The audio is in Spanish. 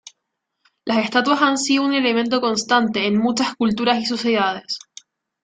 Las estatuas han sido un elemento constante en muchas culturas y sociedades.